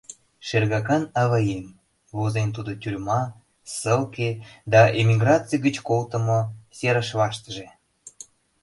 «Шергакан аваем», — возен тудо тюрьма, ссылке да эмиграций гыч колтылмо серышлаштыже.